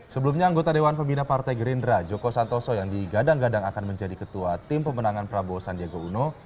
sebelumnya anggota dewan pembina partai gerindra joko santoso yang digadang gadang akan menjadi ketua tim pemenangan prabowo sandiaga uno